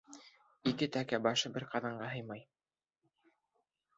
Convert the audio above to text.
— Ике тәкә башы бер ҡаҙанға һыймай.